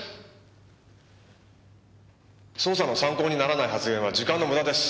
捜査の参考にならない発言は時間の無駄です。